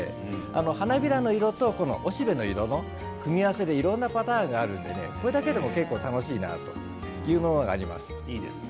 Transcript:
花びらの色と雄しべの色の組み合わせでいろんなパターンがあるのでこれだけでも結構楽しいなというものがあります。